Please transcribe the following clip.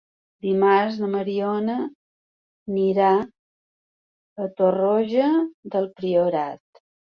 Dimarts na Mariona anirà a Torroja del Priorat.